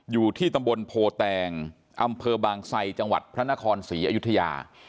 อยู่ที่ตำบลโพแตงอำเภอบางไซจังหวัดพระนครศรีอยุธยา